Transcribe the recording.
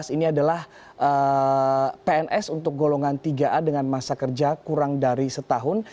ini adalah pns untuk golongan tiga a dengan masa kerja kurang dari setahun